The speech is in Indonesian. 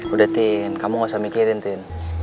udah tin kamu gak usah mikirin tin